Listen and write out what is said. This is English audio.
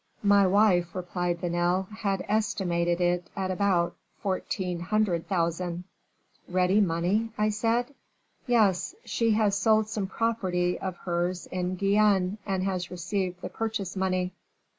"'My wife,' replied Vanel, 'had estimated it at about fourteen hundred thousand.' "'Ready money?' I said. "'Yes; she has sold some property of hers in Guienne, and has received the purchase money.